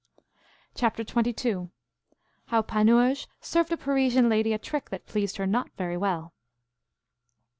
Chapter 2.XXII. How Panurge served a Parisian lady a trick that pleased her not very well.